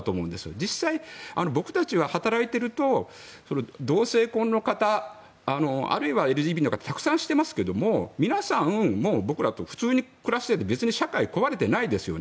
実際、僕たちは働いていると同性婚の方あるいはＬＧＢＴの方たくさん知っていますけれど皆さん僕らと普通に暮らしている別に社会は壊れてないですよね。